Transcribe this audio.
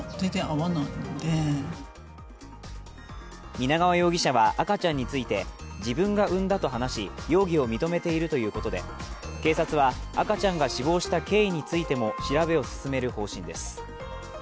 皆川容疑者は、赤ちゃんについて自分が産んだと話し容疑を認めているということで警察は赤ちゃんが死亡した経緯についても調べを進める方針です。